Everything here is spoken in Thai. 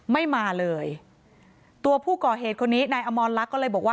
ไม่มาเลยตัวผู้ก่อเหตุคนนี้นายอมรลักษณ์ก็เลยบอกว่า